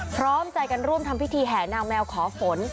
พร้อมใจกันร่วมทำพิธีแห่นางแมวขอฝน